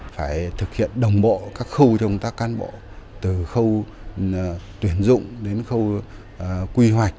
phải thực hiện đồng bộ các khâu trong công tác cán bộ từ khâu tuyển dụng đến khâu quy hoạch